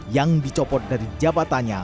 yang dicopot dari jabatannya